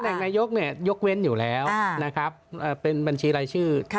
ตำแหน่งนายกพูดอยู่แล้วเป็นบัญชีรายชื่อ